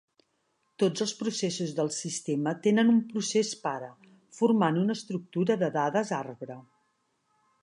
Tots els processos del sistema tenen un procés pare, formant una estructura de dades arbre.